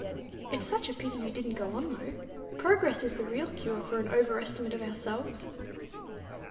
"It's such a pity you didn't go on, though. Progress is the real cure for an overestimate of ourselves."